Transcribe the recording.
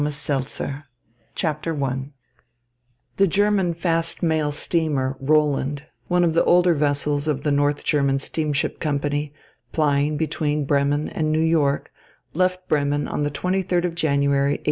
ATLANTIS PART I I The German fast mail steamer, Roland, one of the older vessels of the North German Steamship Company, plying between Bremen and New York, left Bremen on the twenty third of January, 1892.